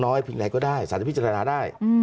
หรือน้อยที่ไหนก็ได้สาธิบริจาลาลได้